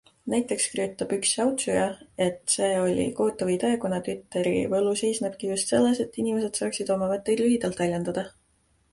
Näiteks kirjutab üks säutsuja, et see oli kohutav idee, kuna Twitteri võlu seisnebki just selles, et inimesed saaksid oma mõtteid lühidalt väljendada.